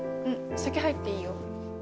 先入っていいよ。